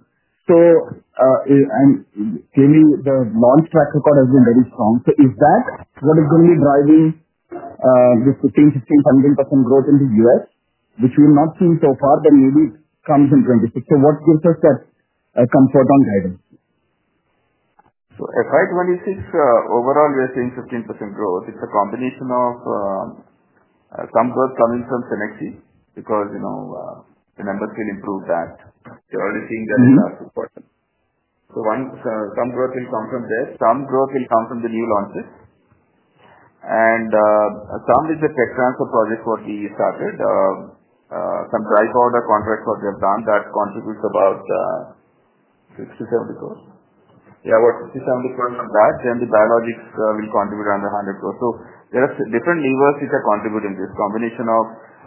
Clearly, the launch track record has been very strong. Is that what is going to be driving this 15% growth in the US, which we have not seen so far, but maybe it comes in 2026? What gives us that comfort on guidance? FY 2026, overall, we are seeing 15% growth. It is a combination of some growth coming from Cenexi because the numbers will improve that. The early thing that is last quarter. Some growth will come from there. Some growth will come from the new launches. Some is the tech transfer project what we started. Some dry powder contracts what we have done that contributes about 60-70 crore. Yeah, about 60-70 crore from that. Then the biologics will contribute around 100 crore. There are different levers which are contributing to this combination of.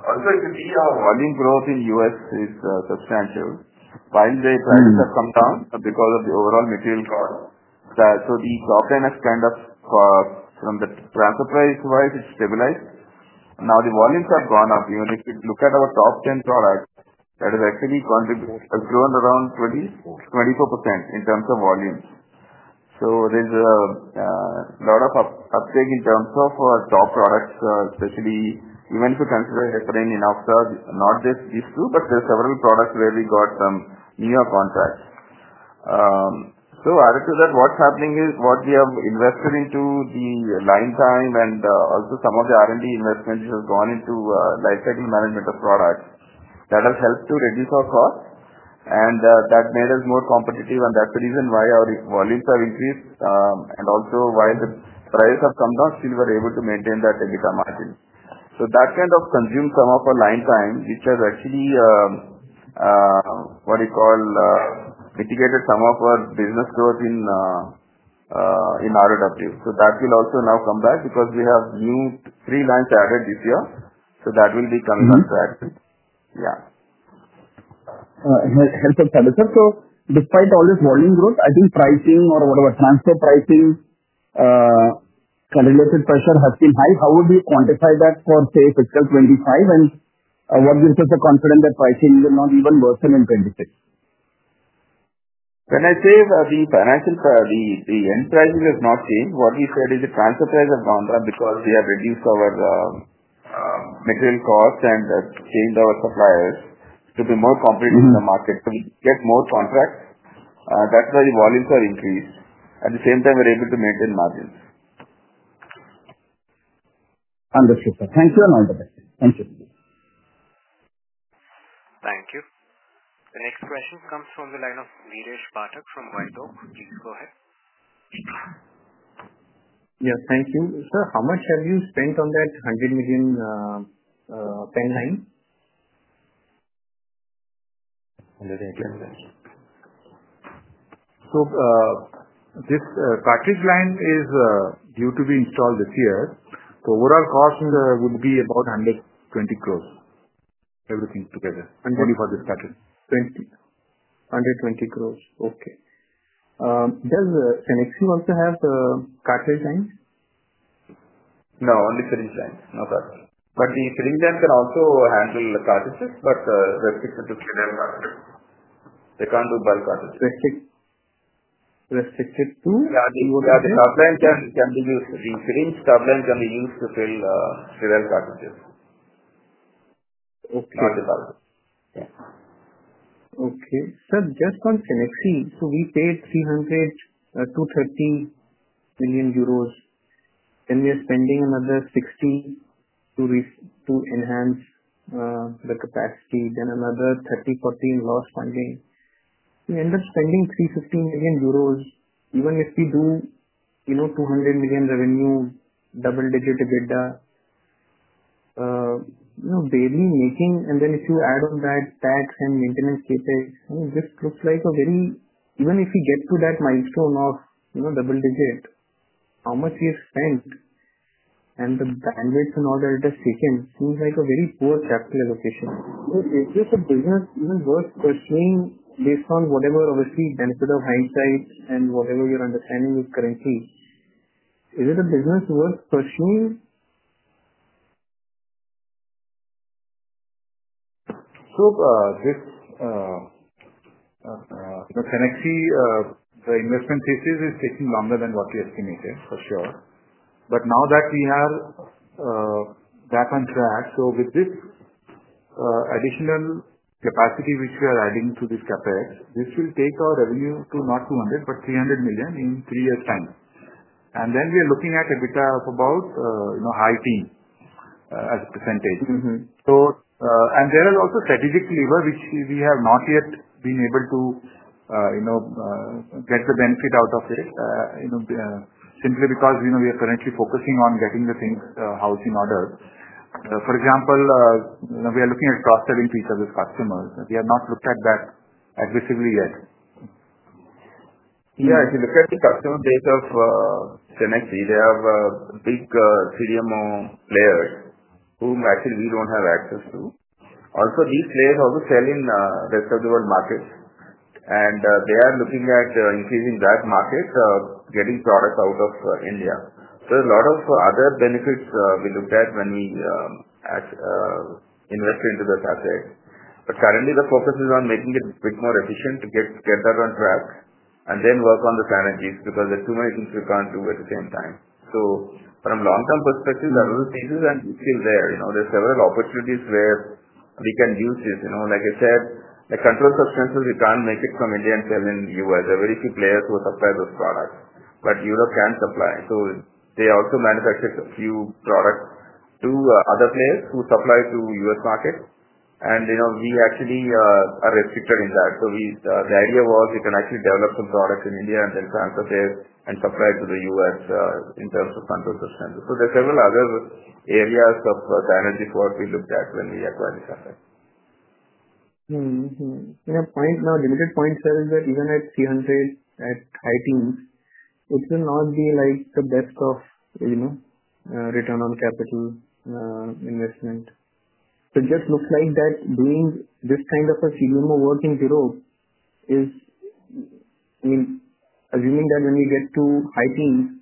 Also, if you see our volume growth in the U.S. is substantial. While the prices have come down because of the overall material cost, the top 10 has kind of from the transfer price wise, it is stabilized. Now the volumes have gone up. Even if you look at our top 10 products, that has actually grown around 24% in terms of volumes. There is a lot of uptake in terms of our top products, especially even if you consider Heparin and Enoxa, not just these two, but there are several products where we got some newer contracts. Added to that, what is happening is what we have invested into the line time and also some of the R&D investment which has gone into lifecycle management of products that has helped to reduce our cost. That made us more competitive. That is the reason why our volumes have increased. Also, while the prices have come down, still we are able to maintain that EBITDA margin. That kind of consumes some of our line time, which has actually what we call mitigated some of our business growth in R&W. That will also now come back because we have new three lines added this year. That will be coming up to add in. Yeah. Helpful, sir. Despite all this volume growth, I think pricing or whatever transfer pricing related pressure has been high. How would you quantify that for, say, fiscal 2025? What gives us the confidence that pricing will not even worsen in 2026? When I say the enterprises have not changed, what we said is the transfer price has gone down because we have reduced our material costs and changed our suppliers to be more competitive in the market. So we get more contracts. That's why the volumes have increased. At the same time, we're able to maintain margins. Understood, sir. Thank you and all the best. Thank you. Thank you. The next question comes from the line of Dheeresh Pathak from WhiteOak. Please go ahead. Yes. Thank you. Sir, how much have you spent on that $100 million pen line? 100 million. This cartridge line is due to be installed this year. The overall cost would be about 120 crore, everything together, only for this cartridge. 120 crore. Okay. Does Cenexi also have cartridge lines? No. Only syringe lines. No cartridge. The syringe lines can also handle the cartridges, but restricted to sterile cartridges. They cannot do bulk cartridges. Restricted to? Yeah. The syringe tub lines can be used to fill sterile cartridges. Not the bulk. Yeah. Okay. Sir, just on Cenexi, so we paid 330 million euros. Then we are spending another 60 million to enhance the capacity, then another 30-40 million in loss funding. We end up spending 315 million euros. Even if we do 200 million revenue, double-digit EBITDA, barely making. I mean, if you add on that tax and maintenance capex, this looks like a very, even if we get to that milestone of double-digit, how much we have spent and the bandwidth and all that it has taken seems like a very poor capital allocation. Is this a business even worth pursuing based on whatever, obviously, benefit of hindsight and whatever your understanding with currency? Is it a business worth pursuing? The investment phases are taking longer than what we estimated, for sure. Now that we are back on track, with this additional capacity which we are adding to this CapEx, this will take our revenue to not $200 million, but $300 million in three years' time. We are looking at EBITDA of about 18% as a percentage. There is also a strategic lever, which we have not yet been able to get the benefit out of simply because we are currently focusing on getting the things housed in order. For example, we are looking at cross-selling to each of these customers. We have not looked at that aggressively yet. If you look at the customer base of Cenexi, they have big 3M players whom actually we do not have access to. Also, these players also sell in reservoir markets. They are looking at increasing that market, getting products out of India. There are a lot of other benefits we looked at when we invested into the CapEx. Currently, the focus is on making it a bit more efficient to get that on track and then work on the synergies because there are too many things we cannot do at the same time. From a long-term perspective, there are other phases, and we are still there. There are several opportunities where we can use this. Like I said, the controlled substances, we cannot make it from India and sell in the U.S. There are very few players who supply those products. Europe can supply. They also manufacture a few products to other players who supply to the U.S. market. We actually are restricted in that. The idea was we can actually develop some products in India and then transfer there and supply to the U.S. in terms of control substances. There are several other areas of synergies what we looked at when we acquired the CapEx. Yeah. Limited point, sir, is that even at 300, at 18, it will not be the best of return on capital investment. It just looks like that doing this kind of a CDMO work in Europe is, I mean, assuming that when we get to 18,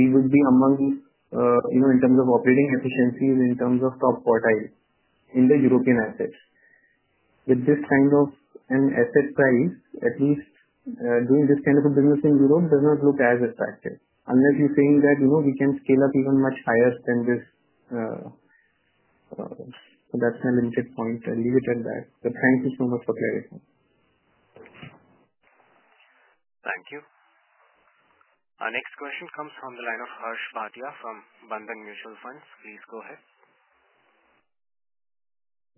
we would be among, in terms of operating efficiencies, in terms of top quartile in the European assets. With this kind of an asset price, at least doing this kind of a business in Europe does not look as attractive unless you're saying that we can scale up even much higher than this. That's my limited point. I'll leave it at that. Thank you so much for clearing. Thank you. Our next question comes from the line of Harsh Bhatia from Bandhan Mutual Funds. Please go ahead.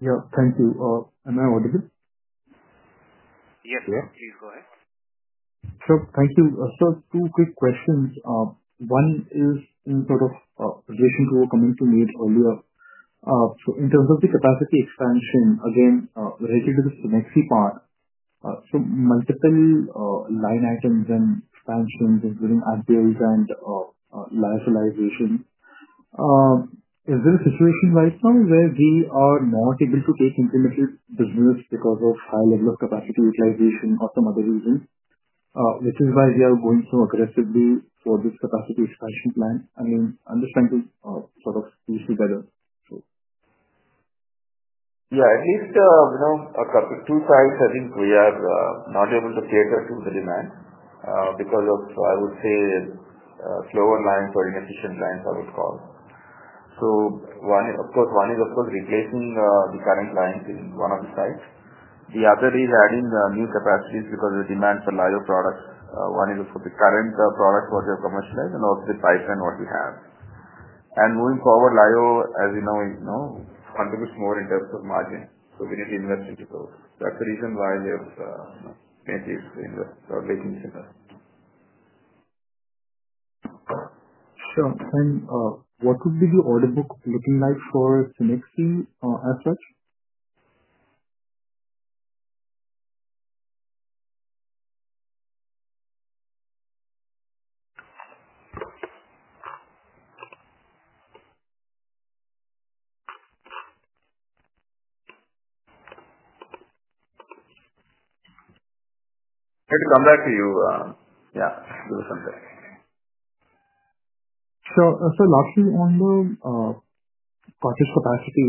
Yeah. Thank you. Am I audible? Yes. Please go ahead. Sir, thank you. Two quick questions. One is in sort of relation to what coming to me earlier. In terms of the capacity expansion, again, related to the Cenexi part, multiple line items and expansions, including add-builds and liabilities. Is there a situation right now where we are not able to take incremental business because of high level of capacity utilization or some other reason, which is why we are going so aggressively for this capacity expansion plan? I mean, I'm just trying to sort of piece together? Yeah. At least two sites, I think we are not able to cater to the demand because of, I would say, slower lines or inefficient lines, I would call. Of course, one is replacing the current lines in one of the sites. The other is adding new capacities because of the demand for Lyo products. One is for the current products we have commercialized and also the pipeline we have. Moving forward, Lyo, as you know, contributes more in terms of margin. We need to invest into those. That is the reason why we have made these investments or are making these investments. Sure. What would be the order book looking like for Cenexi as such? I had to come back to you. Yeah. There was something. Sure. Lastly, on the cartridge capacity,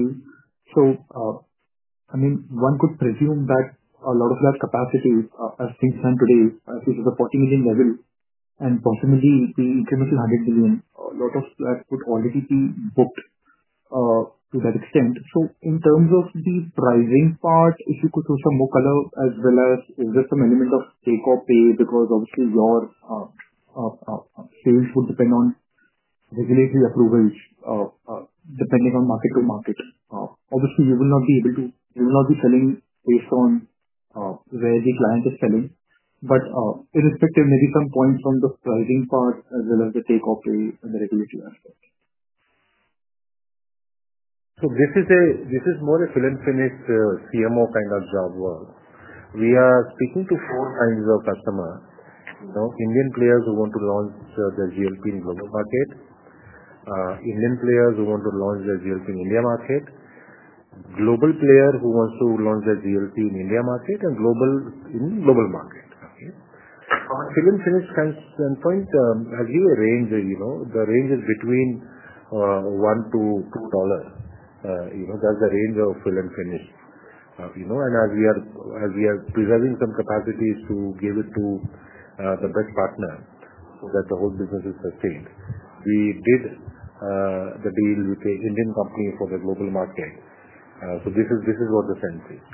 I mean, one could presume that a lot of that capacity as being sent today is at the 40 million level. Possibly, the incremental 100 million, a lot of that would already be booked to that extent. In terms of the pricing part, if you could show some more color as well as is there some element of take or pay because obviously your sales would depend on regulatory approvals depending on market to market. Obviously, you will not be able to, you will not be selling based on where the client is selling. Irrespective, maybe some points on the pricing part as well as the take or pay and the regulatory aspect. is more a fill and finish CMO kind of job. We are speaking to four kinds of customers: Indian players who want to launch their GLP in global market, Indian players who want to launch their GLP in India market, global player who wants to launch their GLP in India market, and global market. From a fill and finish standpoint, as you arrange, the range is between $1 to $2. That is the range of fill and finish. As we are preserving some capacities to give it to the best partner so that the whole business is sustained, we did the deal with the Indian company for the global market. This is what the sense is.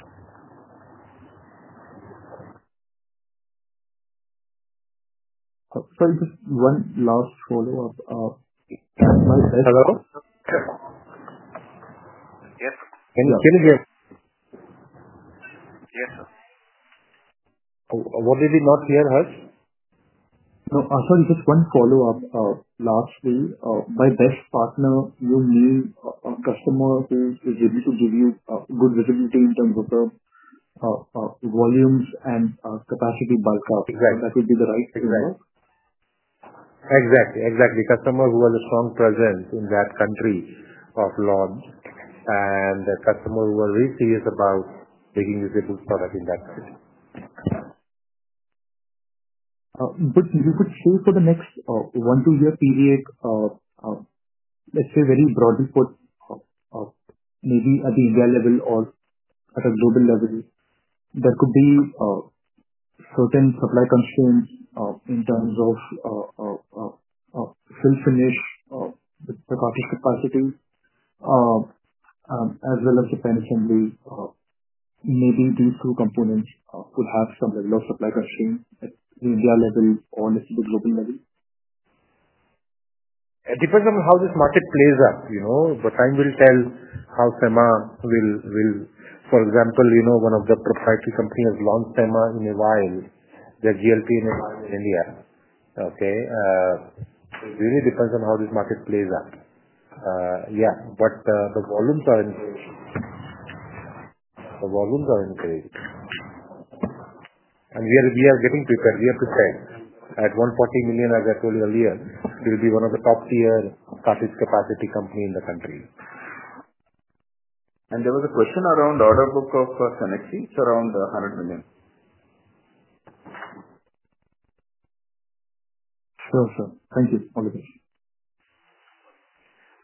Sorry, just one last follow-up. Hello? Yes. Can you hear me? Yes, sir. What did you not hear, Harsh? Sorry, just one follow-up. Lastly, my best partner, you mean a customer who is able to give you good visibility in terms of the volumes and capacity bulk up. That would be the right term? Exactly. Customer who has a strong presence in that country of law and a customer who is very serious about making this able to start up in that country. You could say for the next one to two-year period, let's say very broadly put, maybe at the India level or at a global level, there could be certain supply constraints in terms of fill and finish with the cartridge capacity as well as the pen assembly. Maybe these two components would have some level of supply constraints at the India level or at the global level? It depends on how this market plays up. Time will tell how Sema will, for example, one of the proprietary companies has launched Sema in a vial, their GLP in India. Okay? It really depends on how this market plays up. Yeah. The volumes are increasing. The volumes are increasing. We are getting prepared. We have to say at 140 million, as I told you earlier, we will be one of the top-tier cartridge capacity companies in the country. There was a question around order book of Cenexi. It is around EUR 100 million. Sure, sir. Thank you.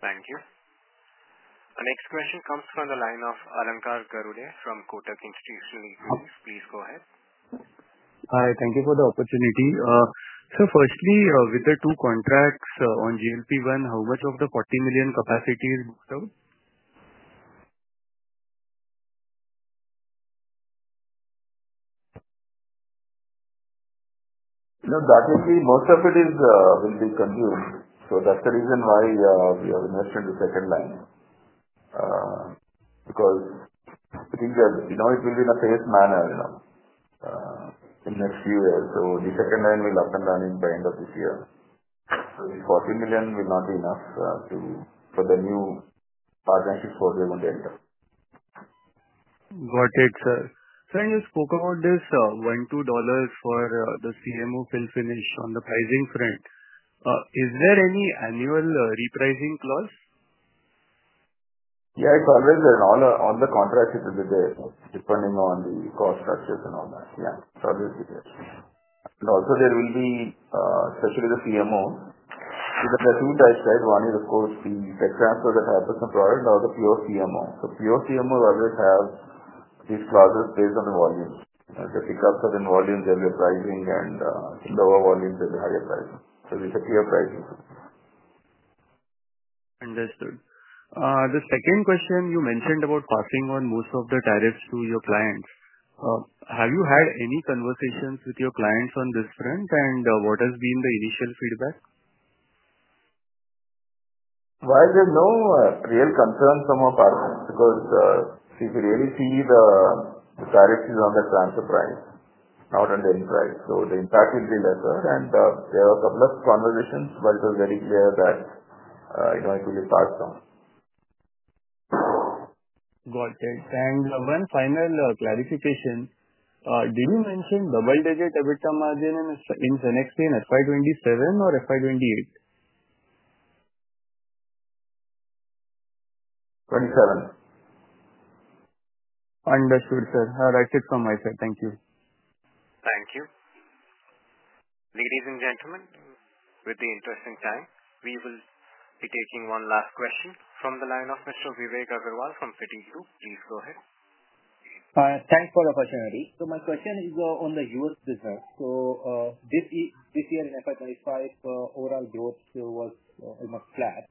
Thank you. Our next question comes from the line of Alankar Garude from Kotak Institutional Equities. Please go ahead. All right. Thank you for the opportunity. Firstly, with the two contracts on GLP-1, how much of the 40 million capacity is booked out? No. Most of it will be consumed. That is the reason why we have invested in the second line because I think it will be in a phased manner in the next few years. The second line will be up and running by the end of this year. 40 million will not be enough for the new partnerships we are going to enter. Got it, sir. So you spoke about this $1 to $2 for the CMO fill and finish on the pricing front. Is there any annual repricing clause? Yeah. It's always on the contracts, it will be there depending on the cost structures and all that. Yeah. It's always there. Also, there will be, especially the CMO, there are two types, right? One is, of course, the tech transfer that happens in product or the pure CMO. Pure CMO always have these clauses based on the volumes. The pickups are in volumes, there will be pricing, and lower volumes, there will be higher pricing. There is a clear pricing. Understood. The second question, you mentioned about passing on most of the tariffs to your clients. Have you had any conversations with your clients on this front, and what has been the initial feedback? There is no real concern from our partners because if you really see the tariffs is on the transfer price, not on the end price. The impact will be lesser. There are a couple of conversations, but it was very clear that it will be passed on. Got it. And one final clarification. Did you mention double-digit EBITDA margin in Cenexi in FY 2027 or FY 2028? 2027. Understood, sir. I'll write it from my side. Thank you. Thank you. Ladies and gentlemen, with the interesting time, we will be taking one last question from the line of Mr. Vivek Agarwal from Citigroup. Please go ahead. Thanks for the opportunity. My question is on the U.S. business. This year in FY 2025, overall growth was almost flat.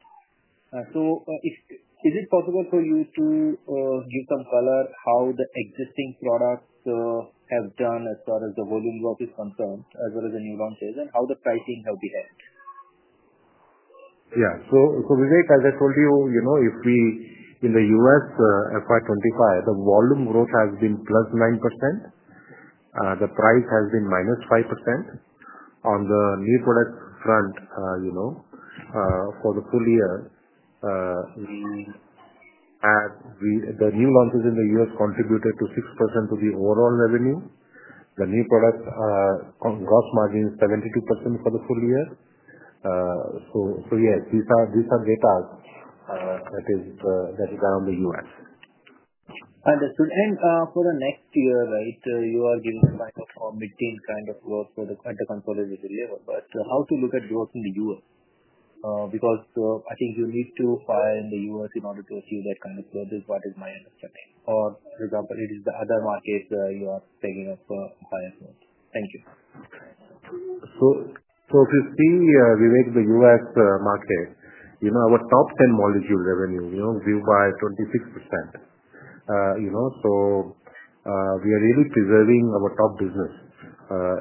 Is it possible for you to give some color on how the existing products have done as far as the volume growth is concerned as well as the new launches and how the pricing has behaved? Yeah. So Vivek, as I told you, in the U.S. FY 2025, the volume growth has been plus 9%. The price has been minus 5%. On the new product front, for the full year, the new launches in the U.S. contributed to 6% of the overall revenue. The new product gross margin is 72% for the full year. Yes, these are data that is done on the U.S. Understood. For the next year, right, you are giving a kind of mid-teen kind of growth at the consolidated level. How to look at growth in the U.S.? I think you need to fire in the U.S. in order to achieve that kind of growth is what is my understanding. For example, is it the other markets you are taking up higher growth? Thank you. If you see, Vivek, the U.S. market, our top 10 molecule revenue will be by 26%. We are really preserving our top business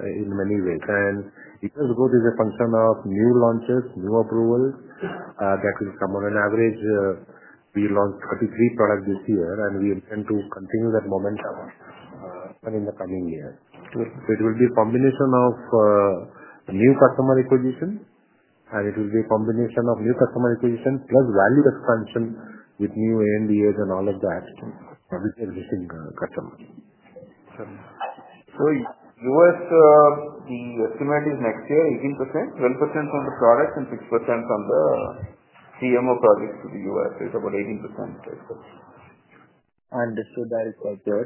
in many ways. It has grown in the function of new launches, new approvals that will come on an average. We launched 33 products this year, and we intend to continue that momentum in the coming years. It will be a combination of new customer acquisition, and it will be a combination of new customer acquisition plus value expansion with new ANDAs and all of that with the existing customers. U.S., the estimate is next year, 18%, 12% on the products and 6% on the CMO projects to the US. It's about 18%. Understood. That is quite good.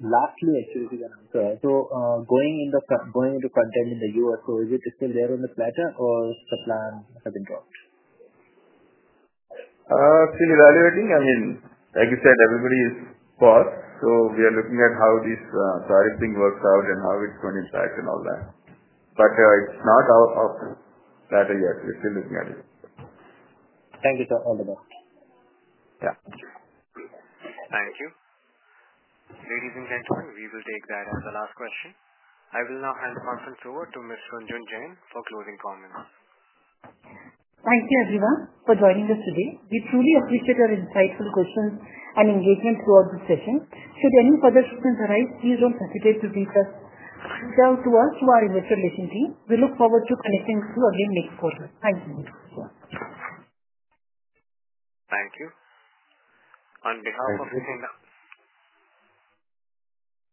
Lastly, actually, to answer. Going into content in the U.S., is it still there on the platter or has the plan been dropped? Still evaluating. I mean, like you said, everybody is paused. We are looking at how this tariff thing works out and how it's going to impact and all that. It is not off the platter yet. We're still looking at it. Thank you, sir. All the best. Yeah. Thank you. Thank you. Ladies and gentlemen, we will take that as the last question. I will now hand the conference over to Ms. Runjhun Jain for closing comments. Thank you, everyone, for joining us today. We truly appreciate your insightful questions and engagement throughout the session. Should any further questions arise, please do not hesitate to reach out to us through our investor relation team. We look forward to connecting with you again next quarter. Thank you. Thank you. On behalf of.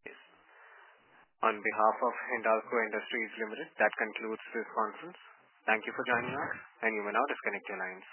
Yes. On behalf of Gland Pharma, that concludes this conference. Thank you for joining us, and you may now disconnect your lines.